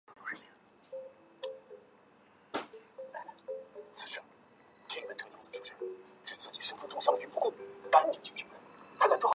中国国民党中央即任命延国符为中国国民党甘肃省党部筹备委员。